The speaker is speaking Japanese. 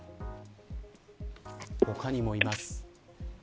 他にもいます。